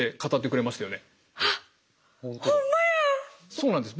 そうなんです。